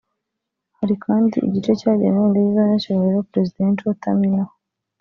Hari kandi igice cyagenewe indege z’abanyacyubahiro (Presidential Terminal)